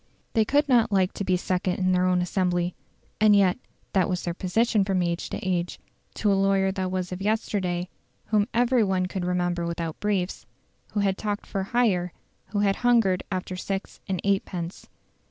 They could not like to be second in their own assembly (and yet that was their position from age to age) to a lawyer who was of yesterday, whom everybody could remember without briefs, who had talked for "hire," who had "hungered after six and eightpence".